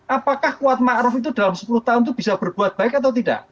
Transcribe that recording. apakah kuat ⁇ maruf ⁇ itu dalam sepuluh tahun itu bisa berbuat baik atau tidak